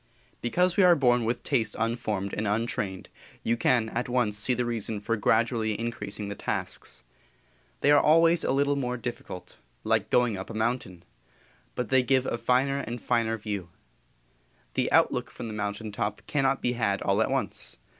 Because we are born with taste unformed and untrained you can at once see the reason for gradually increasing the tasks. They are always a little more difficult like going up a mountain but they give a finer and finer view. The outlook from the mountain top cannot be had all at once.